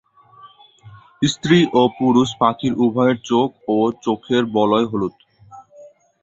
স্ত্রী ও পুরুষ পাখির উভয়ের চোখ ও চোখের বলয় হলুদ।